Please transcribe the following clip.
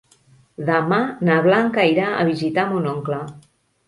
Demà na Blanca irà a visitar mon oncle.